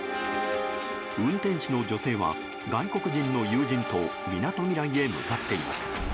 運転手の女性は、外国人の友人とみなとみらいへ向かっていました。